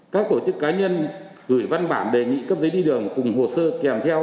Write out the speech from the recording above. các tổ chức cá nhân gửi văn bản đề nghị cấp giấy đi đường cùng hồ sơ kèm theo